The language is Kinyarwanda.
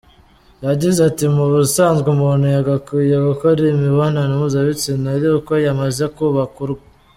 Yagize ati : “Mu busanzwe umuntu yagakwiye gukora imibonano mpuzabitsina ari uko yamaze kubaka urwe.